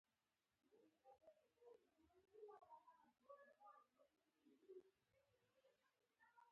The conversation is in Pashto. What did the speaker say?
ما ورته وويل د ذاکر نايک کار سم خو دى.